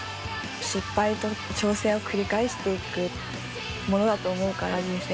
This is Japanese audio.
失敗と調整を繰り返していくものだと思うから人生って。